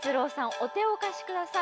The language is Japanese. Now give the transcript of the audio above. お手をお貸しください。